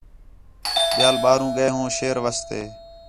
ٻِیال ٻاہروں ڳئے ہوں شیر واسطے